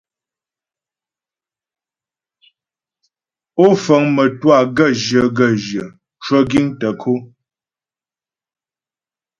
Ó fəŋ mə́twâ gaə́jyə gaə́jyə cwə giŋ tə ko.